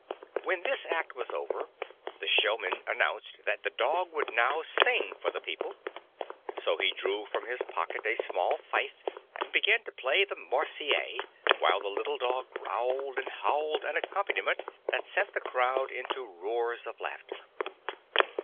When this act was over, the showman announced that the dog would now sing for the people ; so he drew from his pocket a small fife and began to play the "Marseillaise," while the little dog growled and howled an accompaniment that sent the crowd into roars of laughter.